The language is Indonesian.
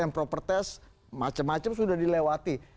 propertes macam macam sudah dilewati